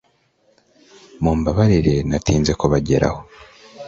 mumbabarire natinze kubageraho hakiri kare